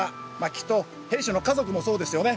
きっと兵士の家族もそうですよね